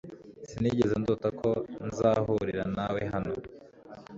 Sinigeze ndota ko nzahurira nawe hano.